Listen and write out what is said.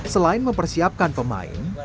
selain mempersiapkan pemain